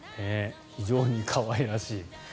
非常に可愛らしい。